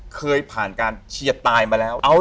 เคยผ่านการเชียร์ตายมาแล้ว